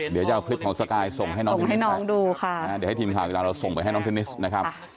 เดี๋ยวจะเอาคลิปของสกายส่งให้น้องเทนนิสให้น้องดูค่ะเดี๋ยวให้ทีมข่าวเวลาเราส่งไปให้น้องเทนนิสนะครับ